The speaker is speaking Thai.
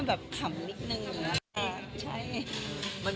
มันมีอะไรต้องปรับต้องจูนไหมครับ